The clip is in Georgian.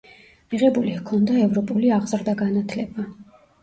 მიღებული ჰქონდა ევროპული აღზრდა-განათლება.